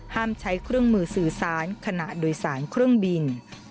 ใช้เครื่องมือสื่อสารขณะโดยสารเครื่องบิน